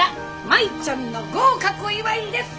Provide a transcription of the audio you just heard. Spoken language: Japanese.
舞ちゃんの合格祝いです！